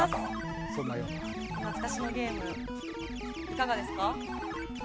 懐かしのゲームいかがですか？